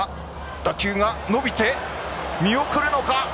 打球が伸びて見送るのか。